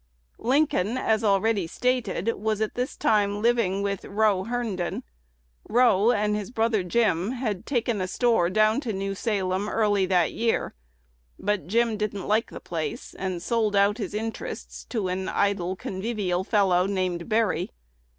Lincoln, as already stated, was at this time living with "Row" Herndon. Row and his brother "Jim" had taken "a store down to New Salem early in that year." But Jim "didn't like the place," and sold out his interests to an idle, convivial fellow, named Berry.